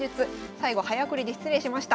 最後早送りで失礼しました。